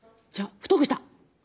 じゃ太くした。